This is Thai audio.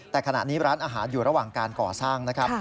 แต่ขณะนี้ร้านอาหารอยู่ระหว่างการก่อสร้างนะครับ